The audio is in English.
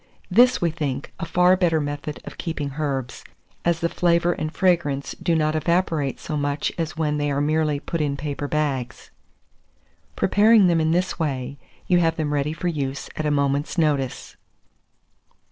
This, we think, a far better method of keeping herbs, as the flavour and fragrance do not evaporate so much as when they are merely put in paper bags. Preparing them in this way, you have them ready for use at a moment's notice.